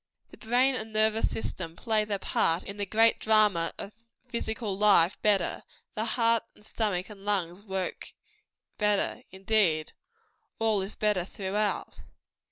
The brain and nervous system play their part in the great drama of physical life better; the heart, and stomach, and lungs, work better. Indeed, all is better throughout.